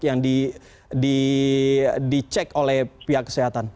yang dicek oleh pihak kesehatan